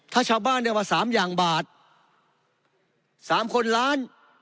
ถ้าชาวบ้านได้มาสามอย่างบาทสามคนล้าน